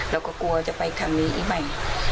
แล้วก็กลัวจะไปทางนี้อีกไป